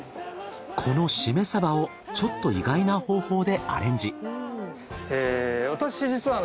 このシメサバをちょっと意外な方法でアレンジ。